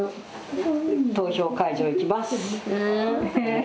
投票会場行きます。